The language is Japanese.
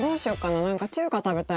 なんか中華食べたいな。